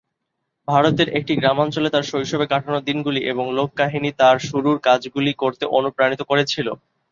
ভারতের একটি গ্রামাঞ্চলে তাঁর শৈশবে কাটানো দিনগুলি এবং লোককাহিনী তাঁর শুরুর কাজগুলি করতে অনুপ্রাণিত করেছিল।